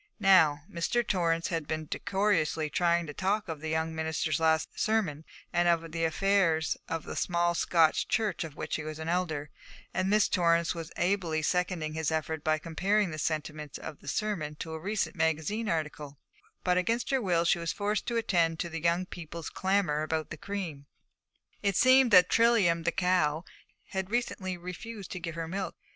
Now, Mr. Torrance had been decorously trying to talk of the young minister's last sermon and of the affairs of the small Scotch church of which he was an elder, and Miss Torrance was ably seconding his effort by comparing the sentiments of the sermon to a recent magazine article, but against her will she was forced to attend to the young people's clamour about the cream. It seemed that Trilium, the cow, had recently refused to give her milk.